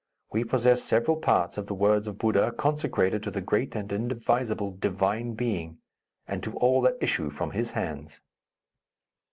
We possess several parts of the words of Buddha consecrated to the Great and Indivisible Divine Being, and to all that issue from his hands."